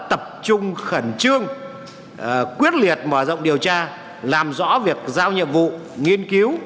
tập trung khẩn trương quyết liệt mở rộng điều tra làm rõ việc giao nhiệm vụ nghiên cứu